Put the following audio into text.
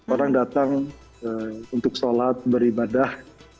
orang datang untuk sholat beribadah